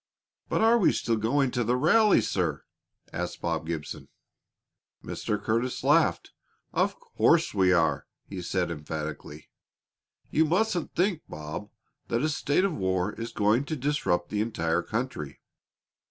"But are we still going to have the rally, sir?" asked Bob Gibson. Mr. Curtis laughed. "Of course we are," he said emphatically. "You mustn't think, Bob, that a state of war is going to disrupt the entire country.